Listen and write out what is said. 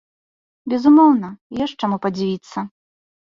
Безумоўна, ёсць чаму падзівіцца.